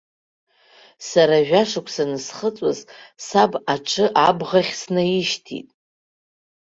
Сара жәашықәса ансхыҵуаз саб аҽы абӷахь снаишьҭит.